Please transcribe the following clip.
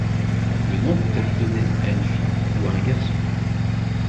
Le nom peut être donné à une fille ou à un garçon.